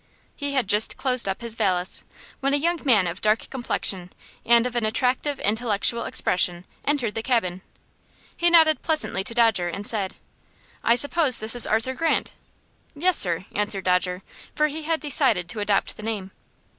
He had just closed up his valise, when a young man of dark complexion and of an attractive, intellectual expression, entered the cabin. He nodded pleasantly to Dodger, and said: "I suppose this is Arthur Grant?" "Yes, sir," answered Dodger, for he had decided to adopt the name.